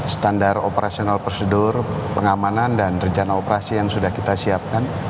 standar operasional prosedur pengamanan dan rencana operasi yang sudah kita siapkan